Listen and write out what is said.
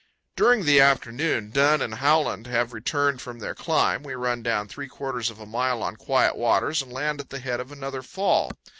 During the afternoon, Dunn and Howland having returned from their climb, we run down three quarters of a mile on quiet waters and land at the head of another fall.